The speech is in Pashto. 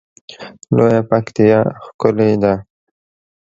لویه پکتیا ښکلی ده